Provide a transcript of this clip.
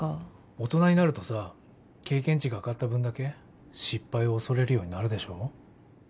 大人になるとさ経験値が上がった分だけ失敗を恐れるようになるでしょうん